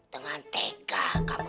dengan tega kamu